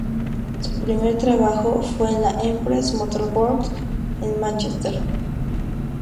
Su primer trabajo fue en la Empress Motor Works en Mánchester.